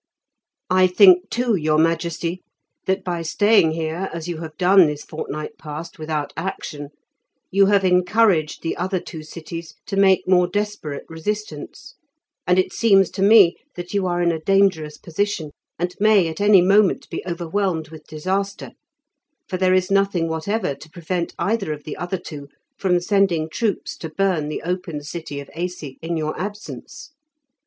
"I think, too, your majesty, that by staying here as you have done this fortnight past without action, you have encouraged the other two cities to make more desperate resistance; and it seems to me that you are in a dangerous position, and may at any moment be overwhelmed with disaster, for there is nothing whatever to prevent either of the other two from sending troops to burn the open city of Aisi in your absence.